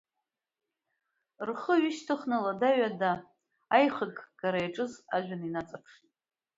Рхы ҩышьҭыхны лада-ҩада аихыккара иаҿыз ажәҩан инаҵаԥшит.